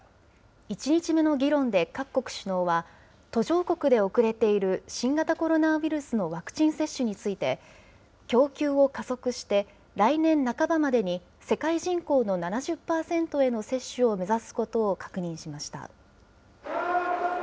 １日目の議論で各国の首脳は、途上国で遅れている新型コロナウイルスのワクチン接種について、供給を加速して、来年半ばまでに世界人口の７０％への接種を目指すことを確認しました。